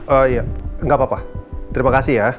oh iya enggak apa apa terima kasih ya